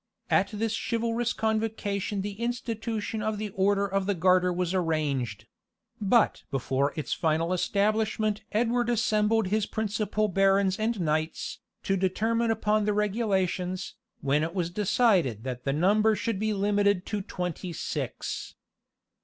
At this chivalrous convocation the institution of the Order of the Garter was arranged; but before its final establishment Edward assembled his principal barons and knights, to determine upon the regulations, when it was decided that the number should be limited to twenty six.